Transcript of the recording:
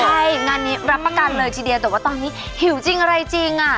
ใช่งานนี้รับประกันเลยทีเดียวแต่ว่าตอนนี้หิวจริงอะไรจริงอ่ะ